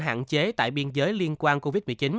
hạn chế tại biên giới liên quan covid một mươi chín